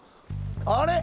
あれ？